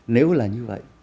nếu là như vậy